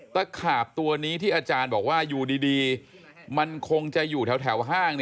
ตะขาบตัวนี้ที่อาจารย์บอกว่าอยู่ดีมันคงจะอยู่แถวห้าง